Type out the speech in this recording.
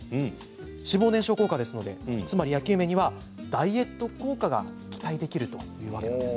脂肪燃焼効果ですので焼き梅にはダイエット効果が期待できるというわけなんです。